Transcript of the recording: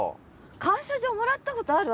感謝状もらったことある？